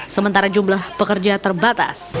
sementara jumlah pekerja terbatas